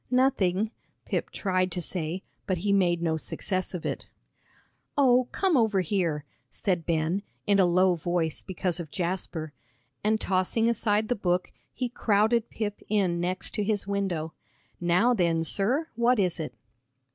"Nothing," Pip tried to say, but he made no success of it. "Oh, come over here," said Ben, in a low voice, because of Jasper. And tossing aside the book, he crowded Pip in next to his window. "Now then, sir, what is it?"